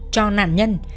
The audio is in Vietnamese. cho nạn nhân